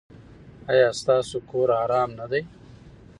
ایا ستاسو کور ارام نه دی؟